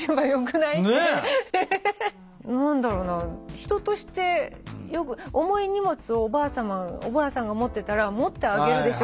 人としてよく重い荷物をおばあさんが持ってたら持ってあげるでしょ？